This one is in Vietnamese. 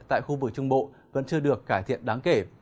tại khu vực trung bộ vẫn chưa được cải thiện đáng kể